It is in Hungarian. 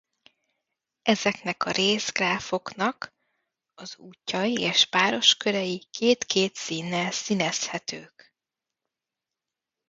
Ezeknek a részgráfoknak az útjai és páros körei két-két színnel színezhetők.